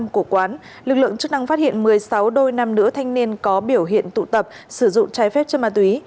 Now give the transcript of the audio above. của quán lực lượng chức năng phát hiện một mươi sáu đôi nam nữ thanh niên có biểu hiện tụ tập sử dụng trái phép trên ma túy